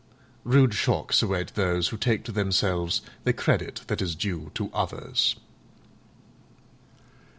Rude shocks await those who take to themselves the credit that is due to others.